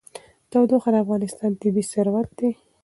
تودوخه د افغانستان طبعي ثروت دی.